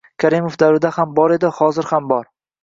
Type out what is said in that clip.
Karimov davrida ham bor edi, hozir ham bor.